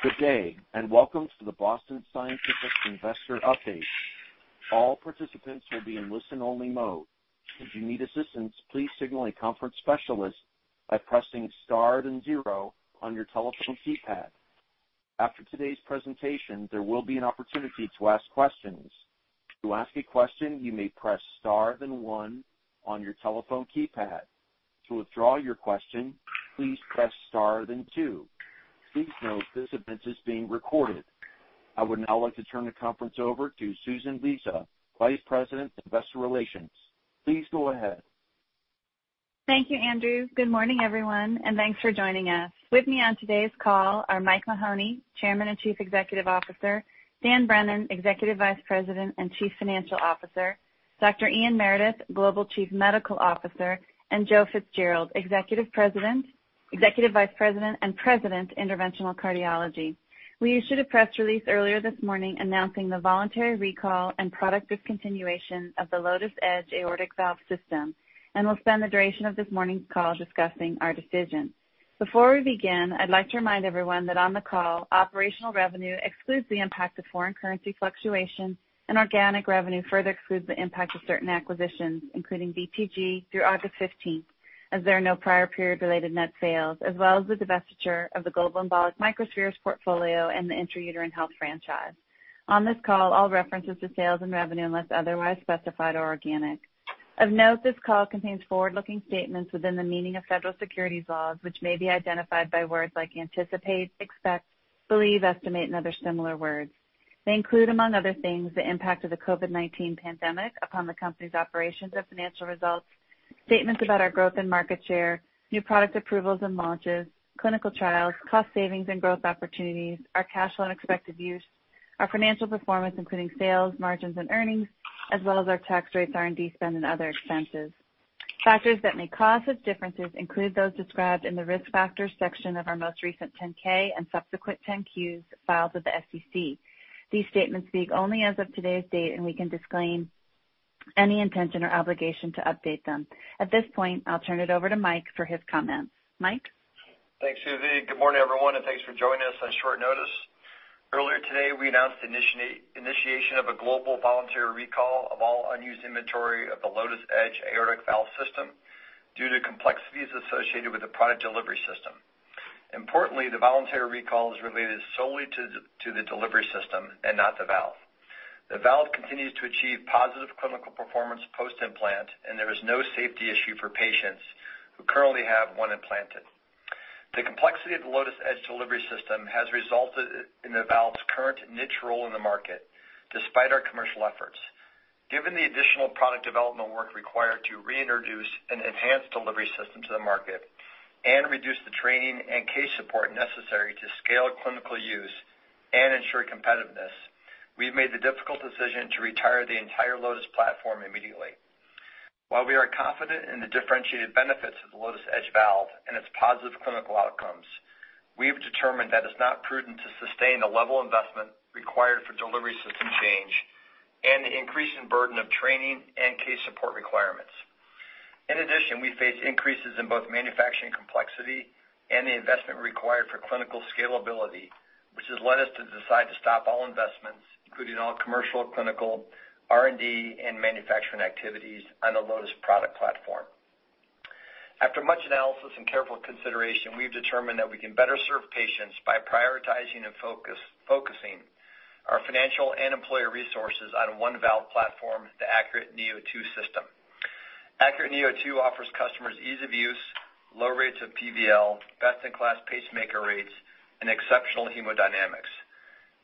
Good day, and welcome to the Boston Scientific Investor Update. All participants will be in listen-only mode. If you need assistance, please signal a conference specialist by pressing star then zero on your telephone keypad. After today's presentation, there will be an opportunity to ask questions. To ask a question, you may press star then one on your telephone keypad. To withdraw your question, please press star then two. Please note this event is being recorded. I would now like to turn the conference over to Susan Lisa, Vice President of Investor Relations. Please go ahead. Thank you, Andrew. Good morning, everyone, thanks for joining us. With me on today's call are Mike Mahoney, Chairman and Chief Executive Officer, Dan Brennan, Executive Vice President and Chief Financial Officer, Dr. Ian Meredith, Global Chief Medical Officer, and Joe Fitzgerald, Executive Vice President and President of Interventional Cardiology. We issued a press release earlier this morning announcing the voluntary recall and product discontinuation of the LOTUS Edge aortic valve system. We'll spend the duration of this morning's call discussing our decision. Before we begin, I'd like to remind everyone that on the call, operational revenue excludes the impact of foreign currency fluctuation and organic revenue further excludes the impact of certain acquisitions, including BTG through August 15th, as there are no prior period-related net sales, as well as the divestiture of the global embolic microspheres portfolio and the intrauterine health franchise. On this call, all references to sales and revenue, unless otherwise specified, are organic. Of note, this call contains forward-looking statements within the meaning of federal securities laws, which may be identified by words like anticipate, expect, believe, estimate, and other similar words. They include, among other things, the impact of the COVID-19 pandemic upon the company's operations and financial results, statements about our growth and market share, new product approvals and launches, clinical trials, cost savings and growth opportunities, our cash flow and expected use, our financial performance, including sales, margins, and earnings, as well as our tax rates, R&D spend, and other expenses. Factors that may cause such differences include those described in the Risk Factors section of our most recent 10-K and subsequent 10-Qs filed with the SEC. These statements speak only as of today's date, and we can disclaim any intention or obligation to update them. At this point, I'll turn it over to Mike for his comments. Mike? Thanks, Susie. Good morning, everyone, thanks for joining us on short notice. Earlier today, we announced the initiation of a global voluntary recall of all unused inventory of the LOTUS Edge aortic valve system due to complexities associated with the product delivery system. Importantly, the voluntary recall is related solely to the delivery system and not the valve. The valve continues to achieve positive clinical performance post-implant, and there is no safety issue for patients who currently have one implanted. The complexity of the LOTUS Edge delivery system has resulted in the valve's current niche role in the market, despite our commercial efforts. Given the additional product development work required to reintroduce an enhanced delivery system to the market and reduce the training and case support necessary to scale clinical use and ensure competitiveness, we've made the difficult decision to retire the entire LOTUS platform immediately. While we are confident in the differentiated benefits of the LOTUS Edge valve and its positive clinical outcomes, we have determined that it's not prudent to sustain the level of investment required for delivery system change and the increase in burden of training and case support requirements. In addition, we face increases in both manufacturing complexity and the investment required for clinical scalability, which has led us to decide to stop all investments, including all commercial, clinical, R&D, and manufacturing activities on the LOTUS product platform. After much analysis and careful consideration, we've determined that we can better serve patients by prioritizing and focusing our financial and employer resources on one valve platform, the ACURATE neo2 system. ACURATE neo2 offers customers ease of use, low rates of PVL, best-in-class pacemaker rates, and exceptional hemodynamics.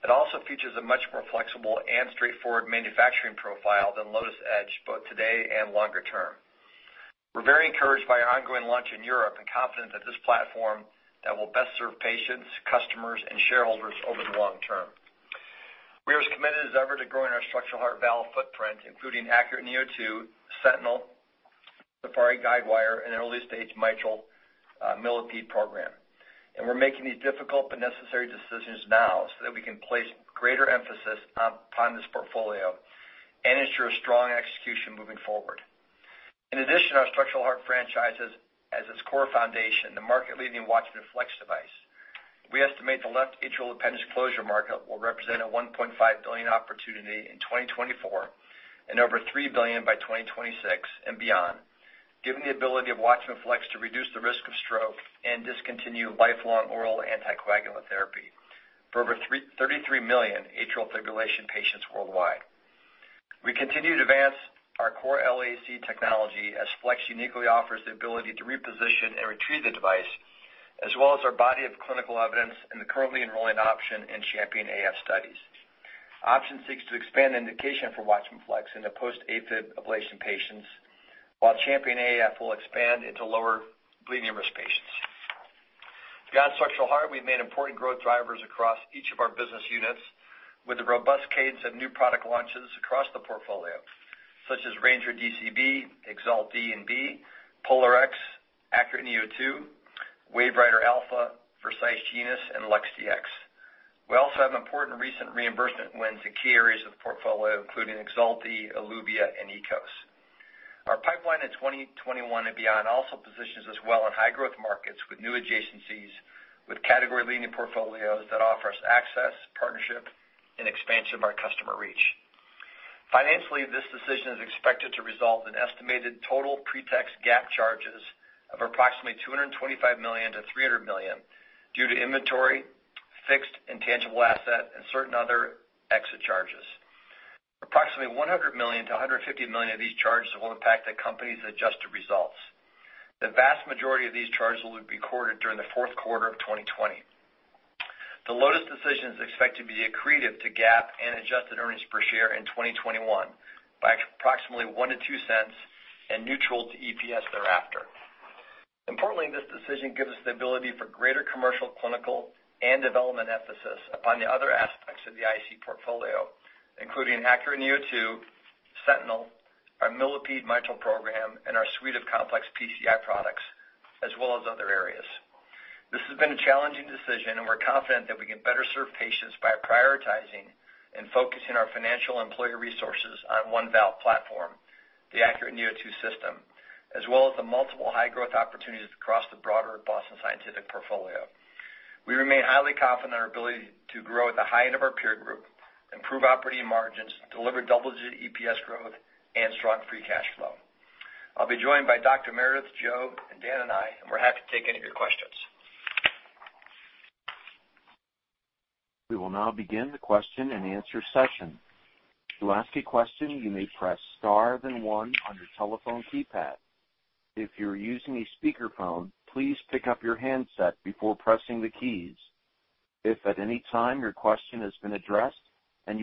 It also features a much more flexible and straightforward manufacturing profile than LOTUS Edge, both today and longer term. We're very encouraged by our ongoing launch in Europe and confident that this platform that will best serve patients, customers, and shareholders over the long term. We are as committed as ever to growing our structural heart valve footprint, including ACURATE neo2, SENTINEL, SAFARI Guidewire, and an early-stage mitral Millipede program. We're making these difficult but necessary decisions now so that we can place greater emphasis upon this portfolio and ensure strong execution moving forward. In addition to our structural heart franchises as its core foundation, the market-leading WATCHMAN FLX device. We estimate the left atrial appendage closure market will represent a $1.5 billion opportunity in 2024 and over $3 billion by 2026 and beyond, given the ability of WATCHMAN FLX to reduce the risk of stroke and discontinue lifelong oral anticoagulant therapy for over 33 million atrial fibrillation patients worldwide. We continue to advance our core LAAC technology as Flex uniquely offers the ability to reposition and retrieve the device, as well as our body of clinical evidence in the currently enrolling OPTION and CHAMPION-AF studies. OPTION seeks to expand indication for WATCHMAN FLX into post-AFib ablation patients, while CHAMPION-AF will expand into lower bleeding risk patients. Beyond structural heart, we've made important growth drivers across each of our business units with a robust cadence of new product launches across the portfolio, such as Ranger DCB, EXALT D and B, POLARx, ACURATE neo2, WaveWriter Alpha, Vercise Genus, and LUX-Dx. We also have important recent reimbursement wins in key areas of the portfolio, including EXALT D, Eluvia, and EKOS. Our pipeline in 2021 and beyond also positions us well in high-growth markets with new adjacencies, with category-leading portfolios that offer us access, partnership, and expansion of our customer reach. Financially, this decision is expected to result in estimated total pre-tax GAAP charges of approximately $225 million-$300 million due to inventory, fixed, intangible asset, and certain other exit charges. Approximately $100 million-$150 million of these charges will impact the company's adjusted results. The vast majority of these charges will be recorded during the fourth quarter of 2020. The LOTUS decision is expected to be accretive to GAAP and adjusted earnings per share in 2021 by approximately $0.01-$0.02 and neutral to EPS thereafter. Importantly, this decision gives us the ability for greater commercial, clinical, and development emphasis upon the other aspects of the IC portfolio, including ACURATE neo2, SENTINEL, our Millipede mitral program, and our suite of complex PCI products, as well as other areas. This has been a challenging decision, and we're confident that we can better serve patients by prioritizing and focusing our financial employee resources on one valve platform, the ACURATE neo2 system, as well as the multiple high-growth opportunities across the broader Boston Scientific portfolio. We remain highly confident in our ability to grow at the high end of our peer group, improve operating margins, deliver double-digit EPS growth, and strong free cash flow. I'll be joined by Dr. Meredith, Joe, and Dan and I. We're happy to take any of your questions. We will now begin the question and answer session. At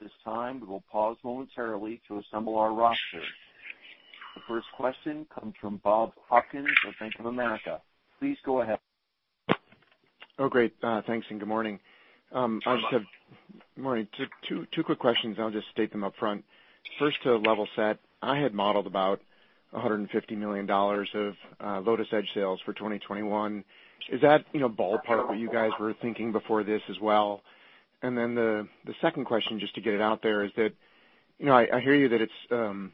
this time, we will pause momentarily to assemble our roster. The first question comes from Bob Hopkins of Bank of America. Please go ahead. Oh, great. Thanks and good morning. Good morning. Morning. Two quick questions, I'll just state them up front. First, to level set, I had modeled about $150 million of LotusEdge sales for 2021. Is that ballpark what you guys were thinking before this as well? The second question, just to get it out there, is that I hear you that it's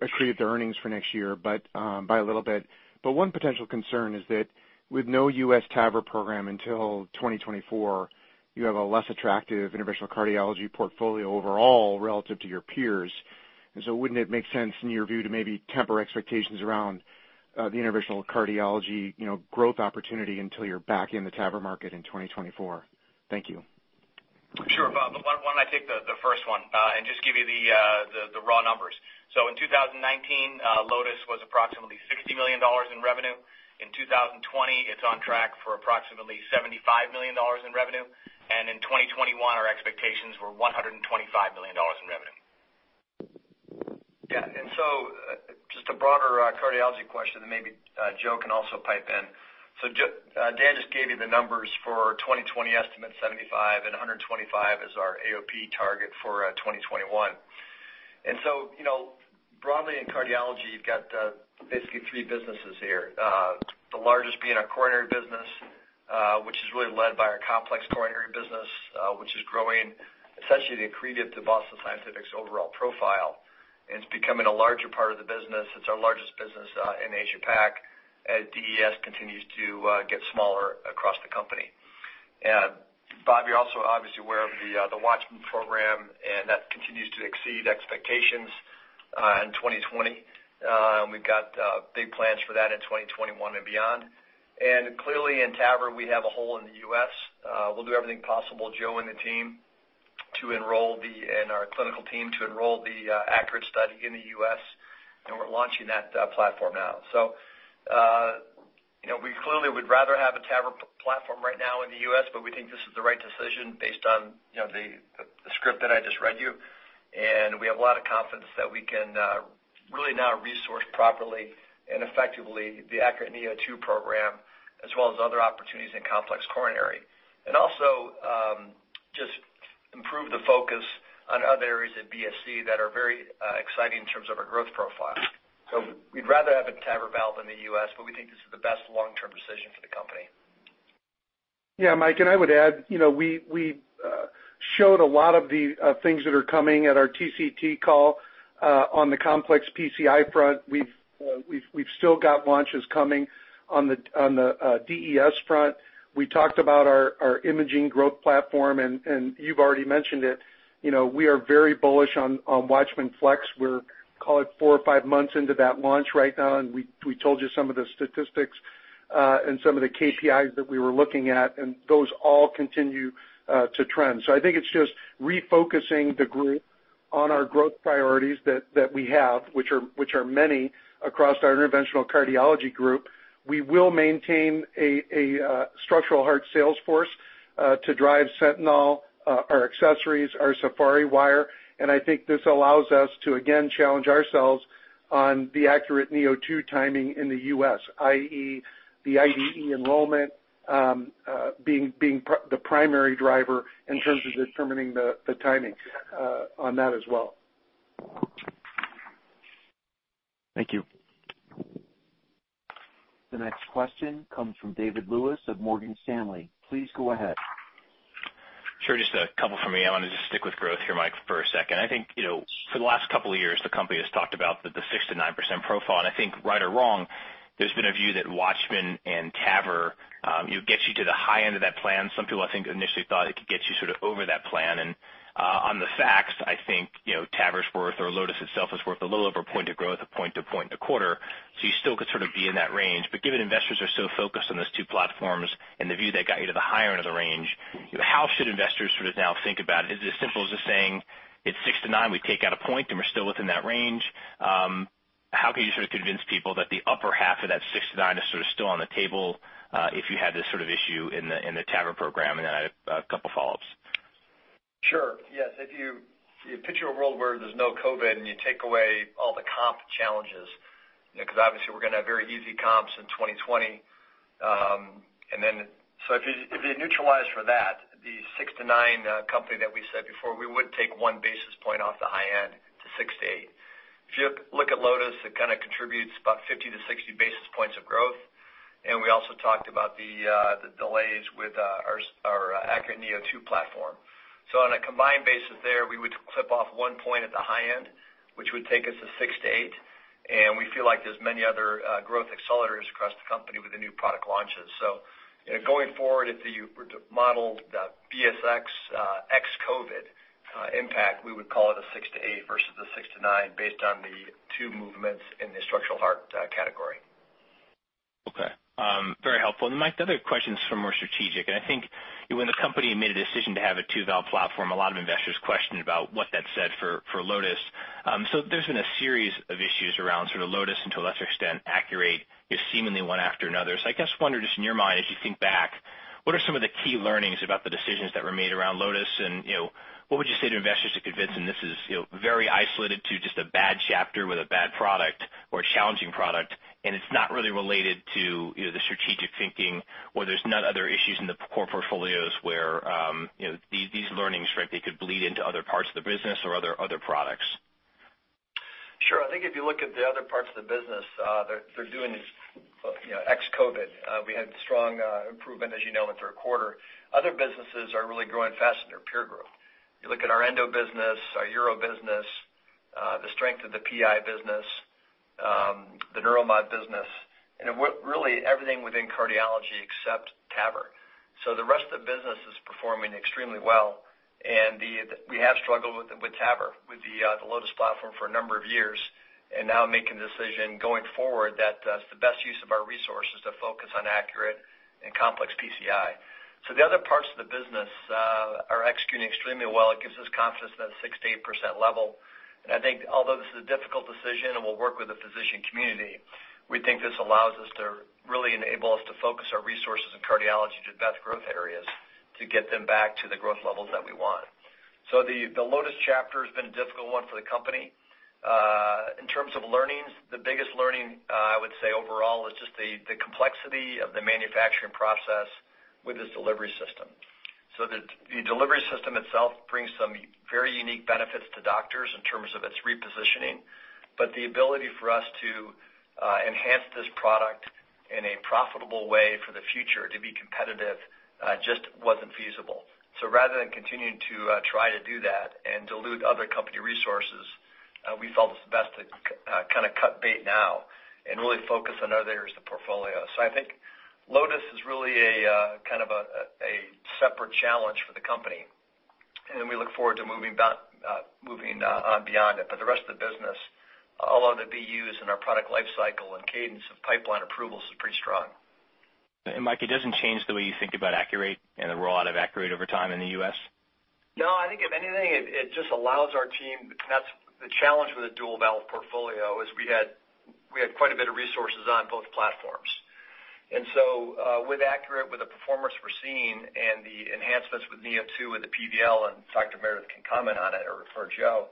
accretive to earnings for next year, but by a little bit. One potential concern is that with no U.S. TAVR program until 2024, you have a less attractive Interventional Cardiology portfolio overall relative to your peers. Wouldn't it make sense, in your view, to maybe temper expectations around the Interventional Cardiology growth opportunity until you're back in the TAVR market in 2024? Thank you. Sure, Bob. Why don't I take the first one and just give you the raw numbers. In 2019, LOTUS was approximately $60 million in revenue. In 2020, it's on track for approximately $75 million in revenue. In 2021, our expectations were $125 million in revenue. Yeah. Just a broader cardiology question that maybe Joe can also pipe in. Dan just gave you the numbers for 2020 estimate, 75, and 125 is our AOP target for 2021. Broadly in cardiology, you've got basically three businesses here. The largest being our coronary business, which is really led by our complex coronary business, which is growing, essentially accretive to Boston Scientific's overall profile, and it's becoming a larger part of the business. It's our largest business in Asia PAC, as DES continues to get smaller across the company. Bob, you're also obviously aware of the WATCHMAN program, and that continues to exceed expectations in 2020. We've got big plans for that in 2021 and beyond. Clearly in TAVR, we have a hole in the U.S. We'll do everything possible, Joe and the team, and our clinical team to enroll the ACURATE study in the U.S. We're launching that platform now. We clearly would rather have a TAVR platform right now in the U.S., but we think this is the right decision based on the script that I just read you. We have a lot of confidence that we can really now resource properly and effectively the ACURATE neo2 program, as well as other opportunities in complex coronary. Also just improve the focus on other areas of BSC that are very exciting in terms of our growth profile. We'd rather have a TAVR valve in the U.S., but we think this is the best long-term decision for the company. Yeah, Mike, I would add, we showed a lot of the things that are coming at our TCT call on the complex PCI front. We've still got launches coming on the DES front. We talked about our imaging growth platform, you've already mentioned it. We are very bullish on WATCHMAN FLX. We're, call it, four or five months into that launch right now, and we told you some of the statistics and some of the KPI that we were looking at, and those all continue to trend. I think it's just refocusing the group on our growth priorities that we have, which are many across our interventional cardiology group. We will maintain a structural heart sales force to drive SENTINEL, our accessories, our SAFARI wire, and I think this allows us to again challenge ourselves on the ACURATE neo2 timing in the U.S., i.e., the IDE enrollment being the primary driver in terms of determining the timing on that as well. Thank you. The next question comes from David Lewis of Morgan Stanley. Please go ahead. Sure. Just a couple from me. I want to just stick with growth here, Mike, for a second. I think, for the last couple of years, the company has talked about the 6%-9% profile, and I think, right or wrong, there's been a view that WATCHMAN and TAVR gets you to the high end of that plan. Some people, I think, initially thought it could get you sort of over that plan. On the facts, I think TAVR is worth or LOTUS itself is worth a little over a point of growth, a point to point a quarter. You still could sort of be in that range. Given investors are so focused on those two platforms and the view that got you to the higher end of the range, how should investors sort of now think about it? Is it as simple as just saying it's 6%-9%, we take out a point and we're still within that range? How can you sort of convince people that the upper half of that 6%-9% is sort of still on the table if you had this sort of issue in the TAVR program? Then I have a couple of follow-ups. Sure. Yes. If you picture a world where there's no COVID and you take away all the comp challenges, because obviously we're going to have very easy comps in 2020. If you neutralize for that, the 6%-9% company that we said before, we would take 1 basis point off the high end to 6%-8%. If you look at LOTUS, it kind of contributes about 50-60 basis points of growth. We also talked about the delays with our ACURATE neo2 platform. On a combined basis there, we would clip off one point at the high end, which would take us to 6%-8%. We feel like there's many other growth accelerators across the company with the new product launches. Going forward, if you were to model the BSX ex-COVID impact, we would call it a 6%-8% versus a 6%-9% based on the two movements in the structural heart category. Okay. Very helpful. Mike, the other question is more strategic. I think when the company made a decision to have a two-valve platform, a lot of investors questioned about what that said for LOTUS. There's been a series of issues around sort of LOTUS, and to a lesser extent, ACURATE, seemingly one after another. I guess wonder, just in your mind, as you think back, what are some of the key learnings about the decisions that were made around LOTUS? What would you say to investors to convince them this is very isolated to just a bad chapter with a bad product or a challenging product, and it's not really related to the strategic thinking or there's not other issues in the core portfolios where these learnings frankly could bleed into other parts of the business or other products? Sure. I think if you look at the other parts of the business, they're doing ex-COVID. We had strong improvement, as you know, in third quarter. Other businesses are really growing faster than their peer group. You look at our Endo business, our Neuro business, the strength of the PI business, the Neuromodulation business, and really everything within cardiology except TAVR. The rest of the business is performing extremely well. We have struggled with TAVR, with the LOTUS platform for a number of years, and now making the decision going forward that it's the best use of our resources to focus on ACURATE and complex PCI. The other parts of the business are executing extremely well. It gives us confidence in that 6%-8% level. I think although this is a difficult decision and we'll work with the physician community, we think this allows us to really enable us to focus our resources in cardiology to the best growth areas to get them back to the growth levels that we want. The LOTUS chapter has been a difficult one for the company. In terms of learnings, the biggest learning I would say overall is just the complexity of the manufacturing process with this delivery system. The delivery system itself brings some very unique benefits to doctors in terms of its repositioning. The ability for us to enhance this product in a profitable way for the future to be competitive just wasn't feasible. Rather than continuing to try to do that and dilute other company resources, we felt it was best to kind of cut bait now and really focus on other areas of the portfolio. I think LOTUS is really a kind of a separate challenge for the company, and we look forward to moving on beyond it. The rest of the business, all other BU and our product life cycle and cadence of pipeline approvals is pretty strong. Mike, it doesn't change the way you think about ACURATE and the rollout of ACURATE over time in the U.S.? I think if anything, that's the challenge with a dual valve portfolio is we had quite a bit of resources on both platforms. With ACURATE, with the performance we're seeing and the enhancements with neo2 with the PVL, and Dr. Meredith can comment on it or refer Joe,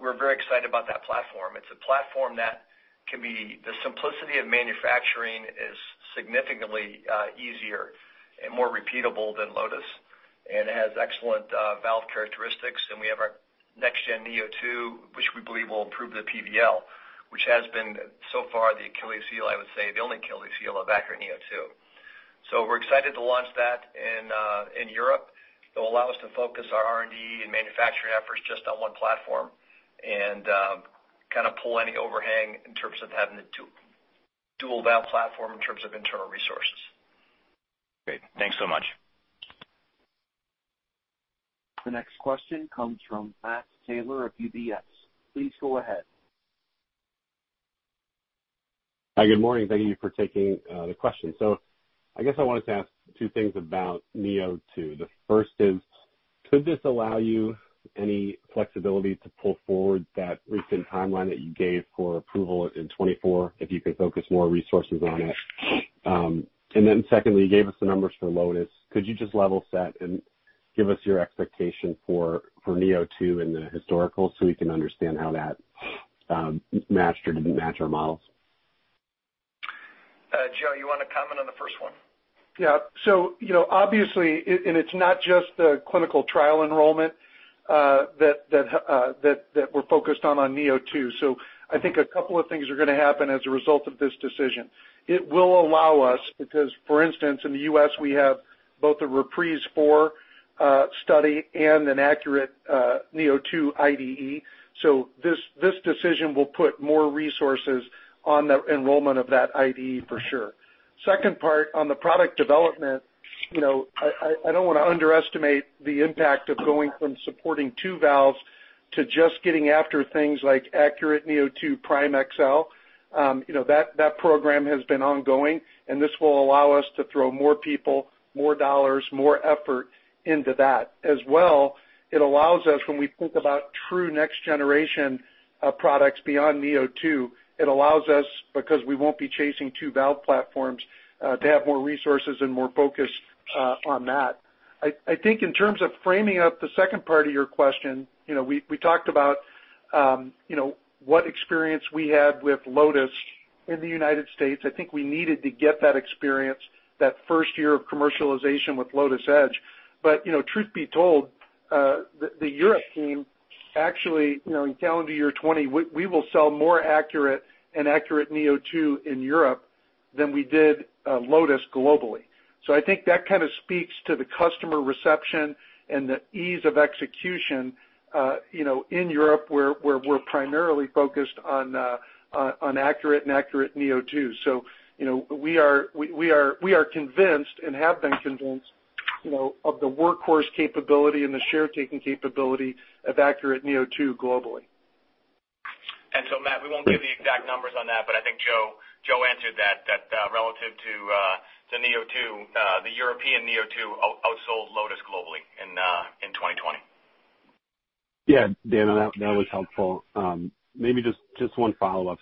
we're very excited about that platform. The simplicity of manufacturing is significantly easier and more repeatable than LOTUS, and it has excellent valve characteristics. We have our next gen neo2, which we believe will improve the PVL, which has been so far the Achilles heel, I would say, the only Achilles heel of ACURATE neo2. We're excited to launch that in Europe. It will allow us to focus our R&D and manufacturing efforts just on one platform and kind of pull any overhang in terms of having the two dual valve platform in terms of internal resources. Great. Thanks so much. The next question comes from Matt Taylor of UBS. Please go ahead. Hi, good morning. Thank you for taking the question. I guess I wanted to ask two things about neo2. The first is, could this allow you any flexibility to pull forward that recent timeline that you gave for approval in 2024 if you could focus more resources on it? Secondly, you gave us the numbers for LOTUS. Could you just level set and give us your expectation for neo2 and the historical so we can understand how that matched or didn't match our models? Joe, you want to comment on the first one? Obviously, it's not just the clinical trial enrollment that we're focused on neo2. I think a couple of things are going to happen as a result of this decision. It will allow us, because for instance, in the U.S. we have both a REPRISE IV study and an ACURATE neo2 IDE. This decision will put more resources on the enrollment of that IDE for sure. Second part, on the product development, I don't want to underestimate the impact of going from supporting two valves to just getting after things like ACURATE neo2 Prime XL. That program has been ongoing, and this will allow us to throw more people, more dollars, more effort into that. As well, it allows us, when we think about true next generation products beyond neo2, it allows us, because we won't be chasing two valve platforms, to have more resources and more focus on that. I think in terms of framing up the second part of your question, we talked about what experience we had with LOTUS in the U.S. I think we needed to get that experience that first year of commercialization with LOTUS Edge. Truth be told, the Europe team actually, in calendar year 2020, we will sell more ACURATE and ACURATE neo2 in Europe than we did LOTUS globally. I think that kind of speaks to the customer reception and the ease of execution in Europe, where we're primarily focused on ACURATE and ACURATE neo2. We are convinced and have been convinced of the workhorse capability and the share-taking capability of ACURATE neo2 globally. Matt, we won't give the exact numbers on that, but I think Joe answered that relative to the European ACURATE neo2, outsold LOTUS globally in 2020. Yeah. Dan, that was helpful. Maybe just one follow-up.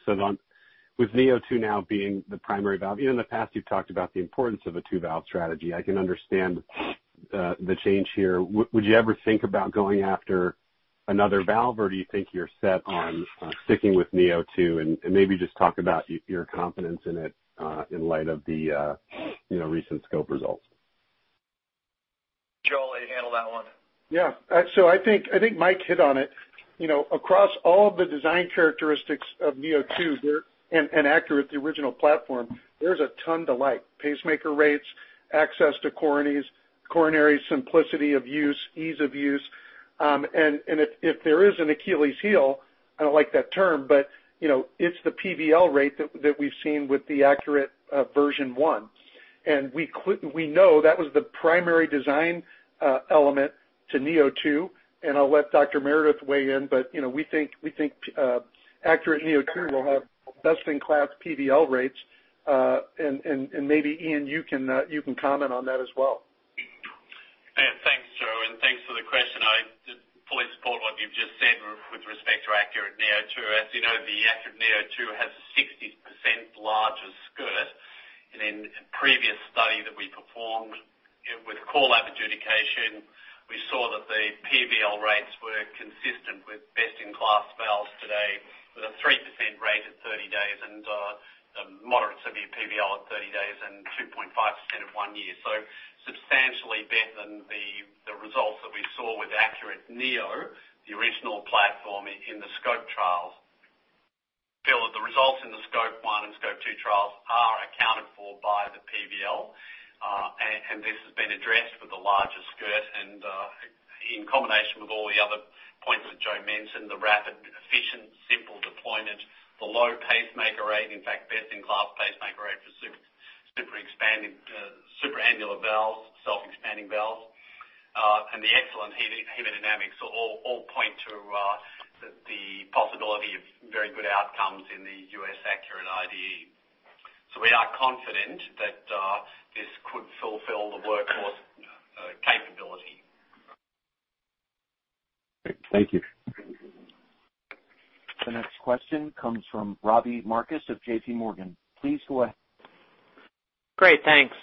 With neo2 now being the primary valve, in the past you've talked about the importance of a two-valve strategy. I can understand the change here. Would you ever think about going after another valve, or do you think you're set on sticking with neo2? Maybe just talk about your confidence in it in light of the recent Scope results. Joe, I'll let you handle that one. Yeah. I think Mike hit on it. Across all the design characteristics of ACURATE neo2 and ACURATE neo, the original platform, there's a ton to like. Pacemaker rates, access to coronaries, coronary simplicity of use, ease of use. If there is an Achilles heel, I don't like that term, but it's the PVL rate that we've seen with the ACURATE neo. We know that was the primary design element to ACURATE neo2, and I'll let Dr. Meredith weigh in, but we think ACURATE neo2 will have best in class PVL rates. Maybe Ian, you can comment on that as well. Yeah. Thanks, Joe, and thanks for the question. I fully support what you've just said with respect to ACURATE neo2. As you know, the ACURATE neo2 has a 60% larger skirt, and in a previous study that we performed with core lab adjudication, we saw that the PVL rates were consistent with best in class valves today, with a 3% rate at 30 days and a moderate severe PVL at 30 days and 2.5% at one year. Substantially better than the results that we saw with ACURATE neo, the original platform in the Scope trials. Feel that the results in the Scope 1 and Scope 2 trials are accounted for by the PVL, and this has been addressed with the larger skirt and in combination with all the other points that Joe mentioned, the rapid, efficient, simple deployment, the low pacemaker rate, in fact, best in class pacemaker rate for supra-annular valves, self-expanding valves, and the excellent hemodynamics all point to the possibility of very good outcomes in the U.S. ACURATE IDE. We are confident that this could fulfill the workhorse capability. Great. Thank you. The next question comes from Robbie Marcus of JP Morgan. Please go ahead. Great. Thanks.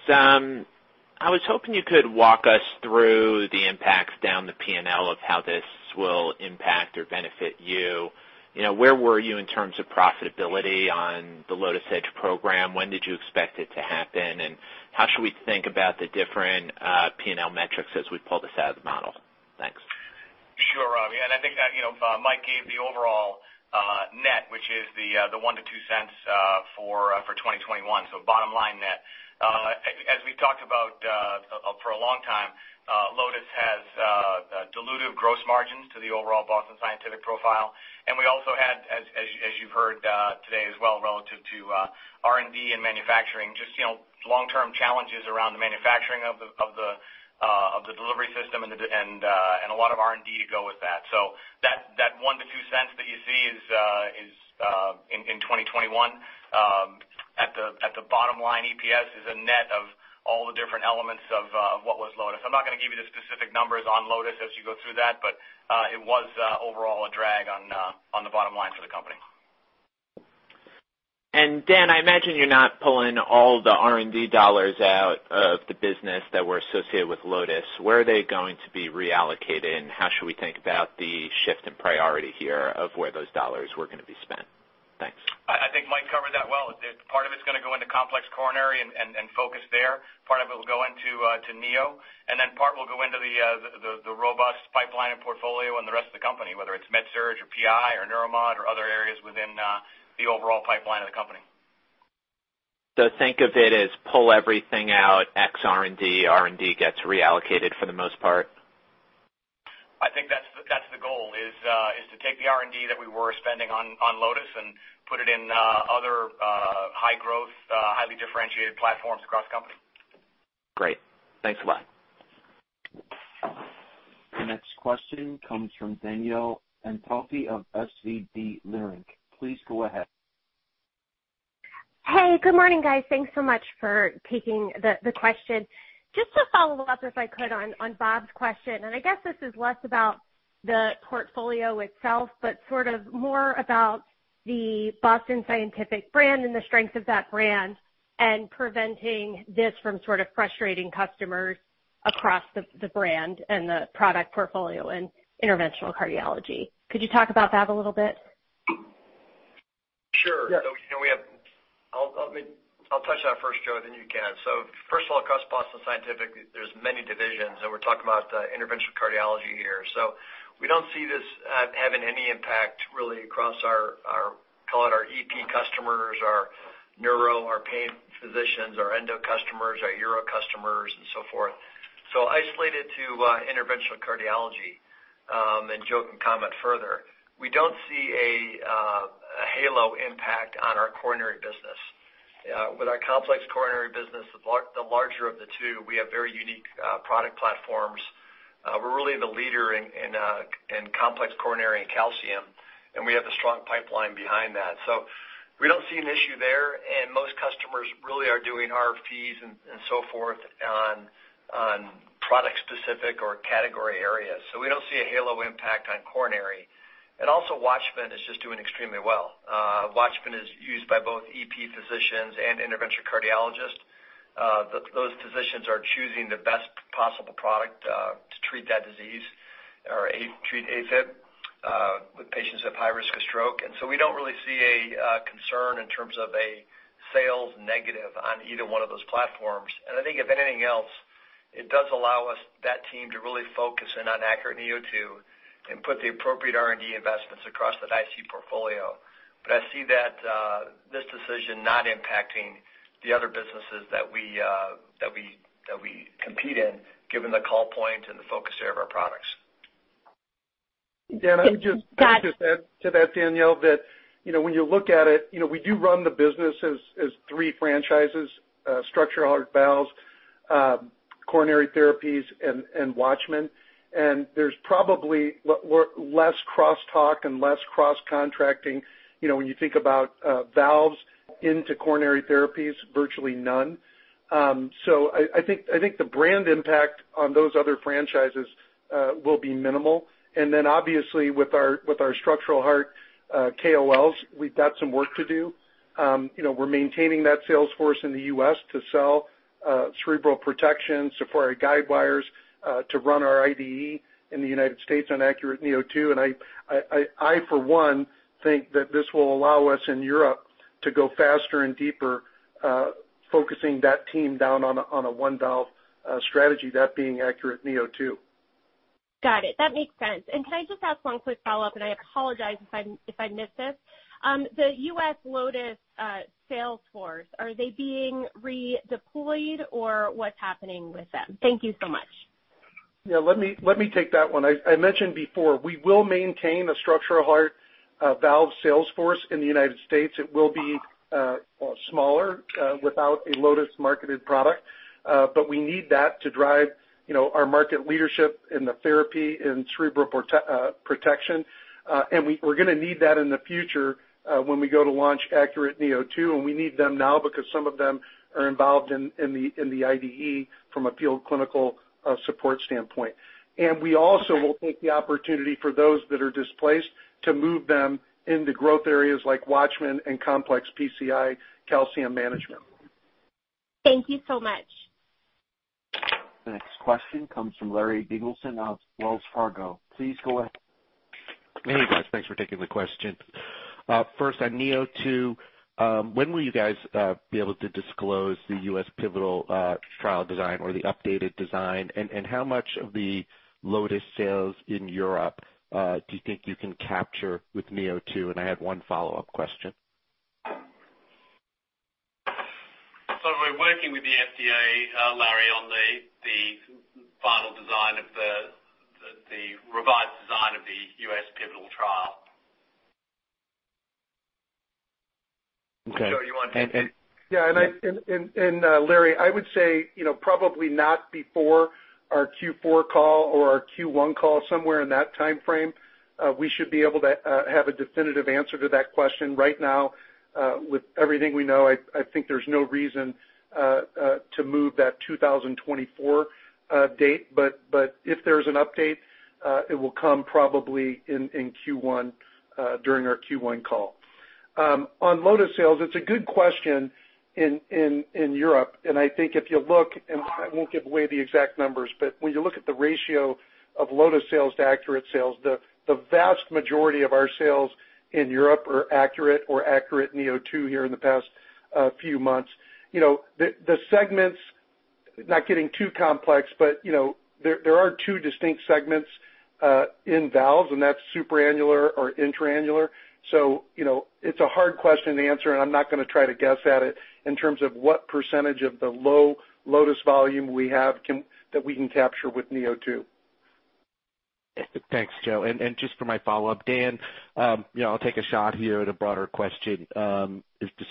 I was hoping you could walk us through the impacts down the P&L of how this will impact or benefit you. Where were you in terms of profitability on the LOTUS Edge program? When did you expect it to happen, and how should we think about the different P&L metrics as we pull this out of the model? Thanks. Sure, Robbie, I think that Mike gave the overall net, which is the $0.01-$0.02 for 2021. Bottom line net. As we've talked about for a long time, LOTUS has dilutive gross margins to the overall Boston Scientific profile. We also had, as you've heard today as well relative to R&D and manufacturing, just long-term challenges around the manufacturing of the delivery system and a lot of R&D to go with that. That $0.01-$0.02 that you see in 2021 at the bottom line EPS is a net of all the different elements of what was LOTUS. I'm not going to give you the specific numbers on LOTUS as you go through that, but it was overall a drag on the bottom line for the company. Dan, I imagine you're not pulling all the R&D dollars out of the business that were associated with LOTUS. Where are they going to be reallocated, and how should we think about the shift in priority here of where those dollars were going to be spent? I think covered that well. Part of it's going to go into complex coronary and focus there. Part of it will go into Neo, and then part will go into the robust pipeline and portfolio and the rest of the company, whether it's MedSurg or PI or Neuromodulation or other areas within the overall pipeline of the company. Think of it as pull everything out ex R&D, R&D gets reallocated for the most part? I think that's the goal, is to take the R&D that we were spending on LOTUS and put it in other high growth, highly differentiated platforms across the company. Great. Thanks a lot. The next question comes from Danielle Antalffy of SVB Leerink. Please go ahead. Hey, good morning, guys. Thanks so much for taking the question. Just to follow up, if I could, on Bob's question, I guess this is less about the portfolio itself, but sort of more about the Boston Scientific brand and the strength of that brand and preventing this from sort of frustrating customers across the brand and the product portfolio in interventional cardiology. Could you talk about that a little bit? Sure. Yeah. I'll touch on it first, Joe, then you can. First of all, across Boston Scientific, there's many divisions, and we're talking about Interventional Cardiology here. We don't see this having any impact really across our, call it our EP customers, our neuro, our pain physicians, our endo customers, our uro customers, and so forth. Isolated to Interventional Cardiology, and Joe can comment further. We don't see a halo impact on our coronary business. With our complex coronary business, the larger of the two, we have very unique product platforms. We're really the leader in complex coronary and calcium, and we have a strong pipeline behind that. We don't see an issue there. Most customers really are doing RFP and so forth on product specific or category areas. We don't see a halo impact on coronary. Watchman is just doing extremely well. WATCHMAN is used by both EP physicians and interventional cardiologists. Those physicians are choosing the best possible product to treat that disease or treat AFib with patients with high risk of stroke. We don't really see a concern in terms of a sales negative on either one of those platforms. I think if anything else, it does allow that team to really focus in on ACURATE neo2 and put the appropriate R&D investments across that IC portfolio. I see this decision not impacting the other businesses that we compete in, given the call point and the focus area of our products. Dan, I would just add to that, Danielle, that when you look at it, we do run the business as three franchises, structural heart valves, coronary therapies, and WATCHMAN. There's probably less crosstalk and less cross-contracting, when you think about valves into coronary therapies, virtually none. I think the brand impact on those other franchises will be minimal. Obviously with our structural heart KOL, we've got some work to do. We're maintaining that sales force in the U.S. to sell cerebral protection, SAFARI Guidewire to run our IDE in the United States on ACURATE neo2. I for one, think that this will allow us in Europe to go faster and deeper focusing that team down on a one valve strategy, that being ACURATE neo2. Got it. That makes sense. Can I just ask one quick follow-up, and I apologize if I missed this. The U.S. LOTUS sales force, are they being redeployed or what's happening with them? Thank you so much. Yeah, let me take that one. I mentioned before, we will maintain a structural heart valve sales force in the U.S. It will be smaller without a LOTUS marketed product, but we need that to drive our market leadership in the therapy in cerebral protection. We're going to need that in the future when we go to launch ACURATE neo2, and we need them now because some of them are involved in the IDE from a field clinical support standpoint. We also will take the opportunity for those that are displaced to move them into growth areas like WATCHMAN and complex PCI calcium management. Thank you so much. The next question comes from Larry Biegelsen of Wells Fargo. Please go ahead. Hey, guys, thanks for taking the question. First on neo2, when will you guys be able to disclose the U.S. pivotal trial design or the updated design? How much of the LOTUS sales in Europe do you think you can capture with neo2? I have one follow-up question. We're working with the FDA, Larry, on the revised design of the U.S. pivotal trial. Joe, you want to take? Yeah. Larry, I would say probably not before our Q4 call or our Q1 call. Somewhere in that timeframe we should be able to have a definitive answer to that question. Right now with everything we know, I think there's no reason to move that 2024 date. If there's an update, it will come probably in Q1 during our Q1 call. On LOTUS sales, it's a good question in Europe, and I think if you look and I won't give away the exact numbers, but when you look at the ratio of LOTUS sales to ACURATE sales, the vast majority of our sales in Europe are ACURATE or ACURATE neo2 here in the past few months. The segments. Not getting too complex, but there are two distinct segments in valves, and that's supra-annular or intra-annular. It's a hard question to answer, and I'm not going to try to guess at it in terms of what percentage of the low LOTUS volume we have that we can capture with neo2. Thanks, Joe. Just for my follow-up, Dan, I'll take a shot here at a broader question to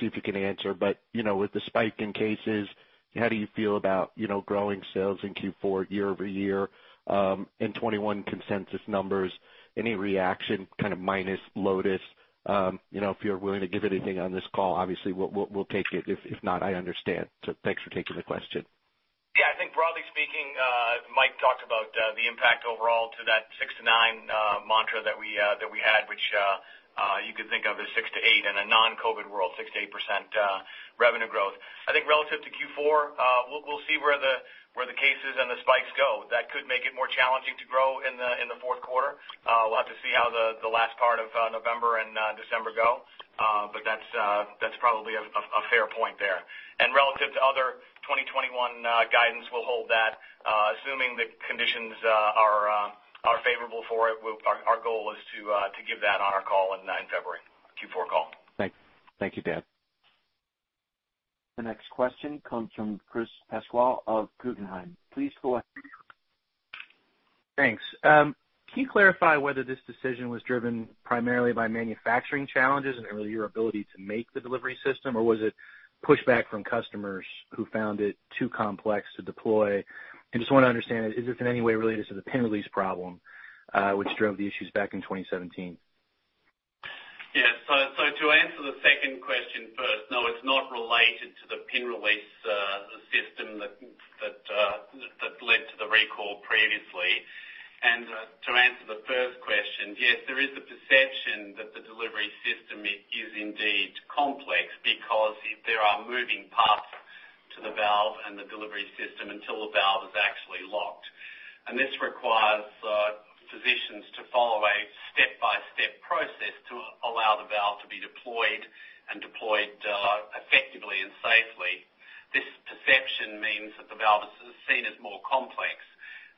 see if you can answer. With the spike in cases, how do you feel about growing sales in Q4 year-over-year and 2021 consensus numbers? Any reaction, kind of minus LOTUS? If you're willing to give anything on this call, obviously, we'll take it. If not, I understand. Thanks for taking the question. I think broadly speaking, Mike talked about the impact overall to that six to nine mantra that we had, which you could think of as six to eight in a non-COVID world, 6%-8% revenue growth. I think relative to Q4, we'll see where the cases and the spikes go. That could make it more challenging to grow in the fourth quarter. We'll have to see how the last part of November and December go. That's probably a fair point there. Relative to other 2021 guidance, we'll hold that. Assuming the conditions are favorable for it, our goal is to give that on our call in February, Q4 call. Thank you, Dan. The next question comes from Chris Pasquale of Guggenheim. Please go ahead. Thanks. Can you clarify whether this decision was driven primarily by manufacturing challenges and/or your ability to make the delivery system? Was it pushback from customers who found it too complex to deploy? I just want to understand, is this in any way related to the pin release problem, which drove the issues back in 2017? Yeah. To answer the second question first, no, it's not related to the pin release system that led to the recall previously. To answer the first question, yes, there is a perception that the delivery system is indeed complex because there are moving parts to the valve and the delivery system until the valve is actually locked. This requires physicians to follow a step-by-step process to allow the valve to be deployed and deployed effectively and safely. This perception means that the valve is seen as more complex,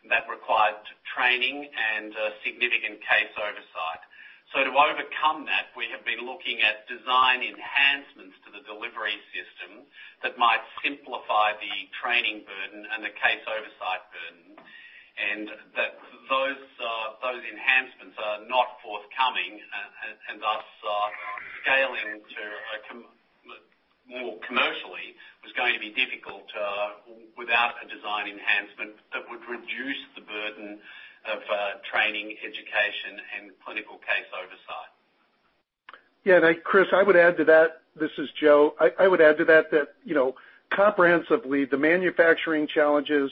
that required training and significant case oversight. To overcome that, we have been looking at design enhancements to the delivery system that might simplify the training burden and the case oversight burden. Those enhancements are not forthcoming and thus scaling more commercially was going to be difficult without a design enhancement that would reduce the burden of training, education, and clinical case oversight. Yeah, Chris, I would add to that. This is Joe. I would add to that comprehensively, the manufacturing challenges,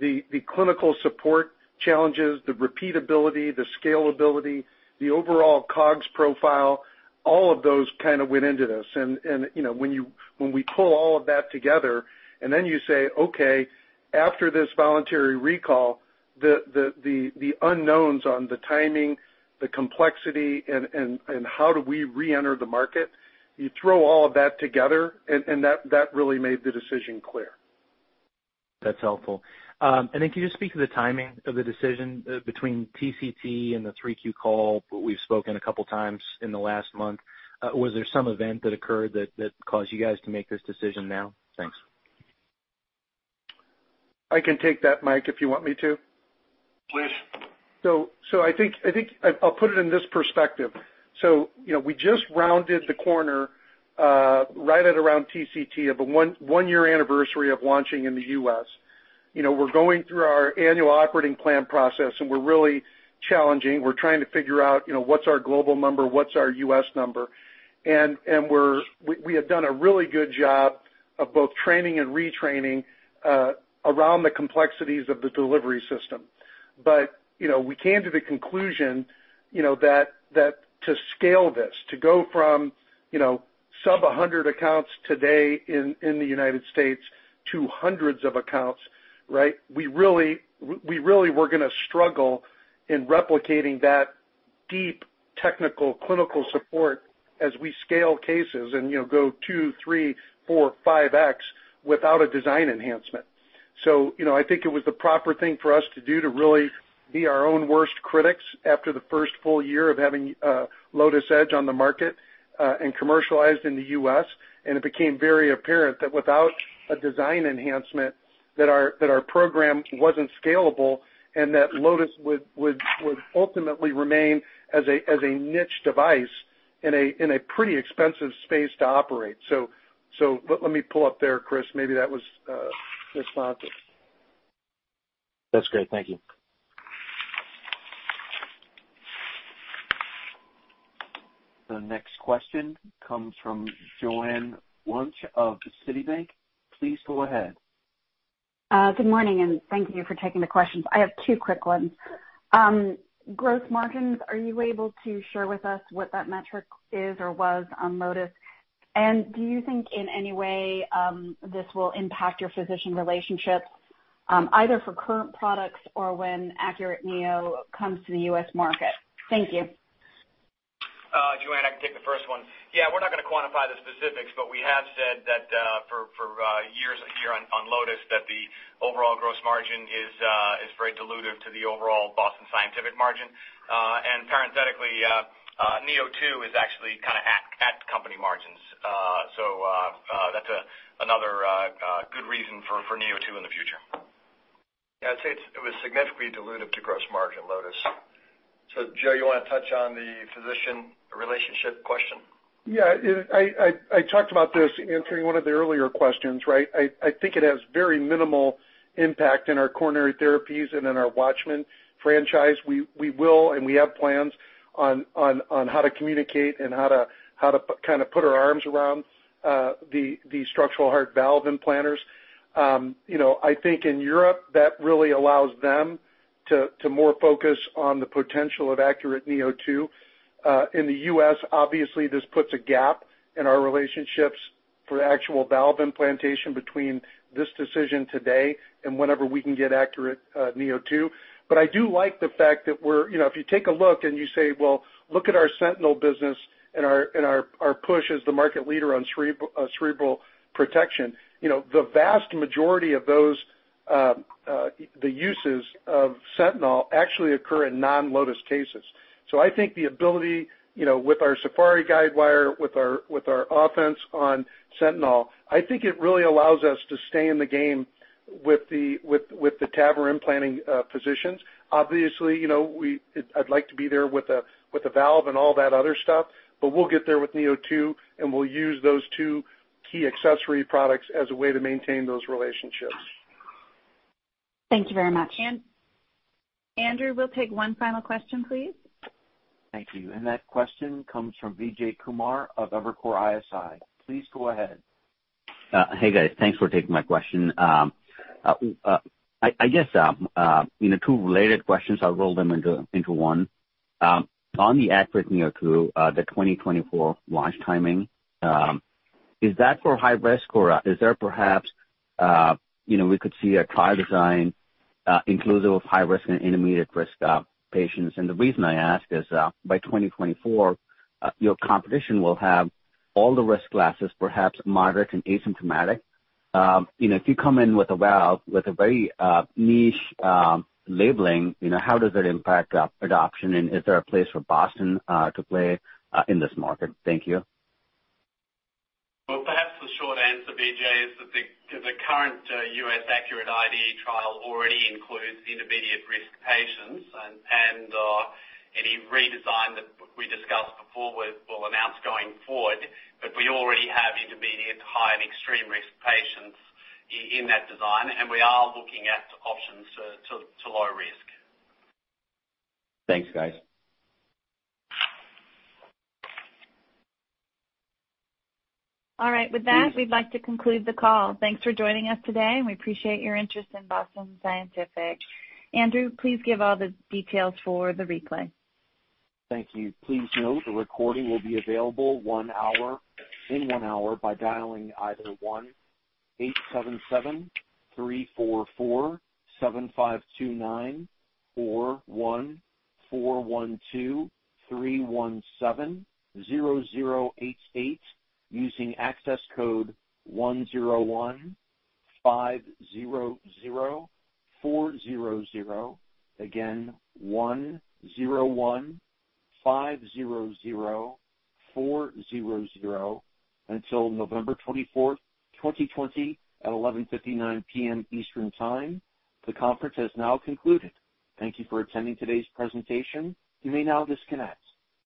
the clinical support challenges, the repeatability, the scalability, the overall COGS profile, all of those kind of went into this. When we pull all of that together and then you say, okay, after this voluntary recall, the unknowns on the timing, the complexity, and how do we reenter the market, you throw all of that together and that really made the decision clear. That's helpful. Can you just speak to the timing of the decision between TCT and the 3Q call? We've spoken a couple of times in the last month. Was there some event that occurred that caused you guys to make this decision now? Thanks. I can take that, Mike, if you want me to. Please. I think I'll put it in this perspective. We just rounded the corner right at around TCT of a one-year anniversary of launching in the U.S. We're going through our annual operating plan process, and we're really challenging. We're trying to figure out what's our global number, what's our U.S. number. We have done a really good job of both training and retraining around the complexities of the delivery system. We came to the conclusion that to scale this, to go from sub 100 accounts today in the United States to hundreds of accounts, we really were going to struggle in replicating that deep technical clinical support as we scale cases and go 2, 3, 4, 5X without a design enhancement. I think it was the proper thing for us to do to really be our own worst critics after the first full year of having LOTUS Edge on the market and commercialized in the U.S., and it became very apparent that without a design enhancement, that our program wasn't scalable and that LOTUS would ultimately remain as a niche device in a pretty expensive space to operate. Let me pull up there, Chris. Maybe that was responsive. That's great. Thank you. The next question comes from Joanne Wuensch of Citibank. Please go ahead. Good morning, and thank you for taking the questions. I have two quick ones. Gross margins, are you able to share with us what that metric is or was on LOTUS? Do you think in any way this will impact your physician relationships either for current products or when ACURATE neo comes to the U.S. market? Thank you. Joanne, I can take the first one. Yeah, we're not going to quantify the specifics, but we have said that for years here on LOTUS, that the overall gross margin is very dilutive to the overall Boston Scientific margin. Parenthetically, neo2 is actually kind of at company margins. That's another good reason for neo2 in the future. Yeah, I'd say it was significantly dilutive to gross margin, LOTUS. Joe, you want to touch on the physician relationship question? Yeah. I talked about this answering one of the earlier questions, right? I think it has very minimal impact in our coronary therapies and in our WATCHMAN franchise. We will, and we have plans on how to communicate and how to put our arms around the structural heart valve implanters. I think in Europe, that really allows them to more focus on the potential of ACURATE neo2. In the U.S., obviously, this puts a gap in our relationships for actual valve implantation between this decision today and whenever we can get ACURATE neo2. I do like the fact that if you take a look and you say, well, look at our SENTINEL business and our push as the market leader on cerebral protection. The vast majority of those, the uses of SENTINEL, actually occur in non-LOTUS cases. I think the ability with our SAFARI Guidewire, with our offense on SENTINEL, I think it really allows us to stay in the game with the TAVR implanting physicians. Obviously, I'd like to be there with a valve and all that other stuff, but we'll get there with neo2, and we'll use those two key accessory products as a way to maintain those relationships. Thank you very much. Andrew, we'll take one final question, please. Thank you. That question comes from Vijay Kumar of Evercore ISI. Please go ahead. Hey, guys. Thanks for taking my question. I guess, two related questions, I'll roll them into one. On the ACURATE neo2, the 2024 launch timing, is that for high-risk, or is there perhaps we could see a trial design inclusive of high risk and intermediate risk patients? The reason I ask is by 2024, your competition will have all the risk classes, perhaps moderate and asymptomatic. If you come in with a valve with a very niche labeling, how does it impact adoption, and is there a place for Boston to play in this market? Thank you. Well, perhaps the short answer, Vijay, is that the current U.S. ACURATE IDE trial already includes intermediate risk patients and any redesign that we discussed before, we'll announce going forward. We already have intermediate high and extreme risk patients in that design, and we are looking at options to low risk. Thanks, guys. All right. With that, we'd like to conclude the call. Thanks for joining us today, and we appreciate your interest in Boston Scientific. Andrew, please give all the details for the replay. Thank you. The conference has now concluded. Thank you for attending today's presentation. You may now disconnect.